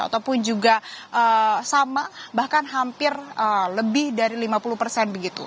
ataupun juga sama bahkan hampir lebih dari lima puluh persen begitu